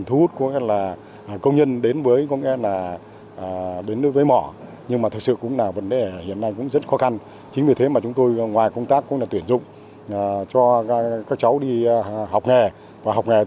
trong quá trình học tập